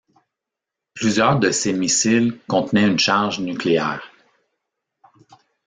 Plusieurs de ces missiles contenaient une charge nucléaire.